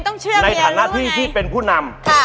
ในฐานะที่ที่เป็นผู้นำ